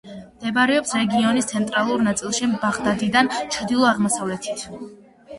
მდებარეობს რეგიონის ცენტრალურ ნაწილში, ბაღდადიდან ჩრდილო-აღმოსავლეთით.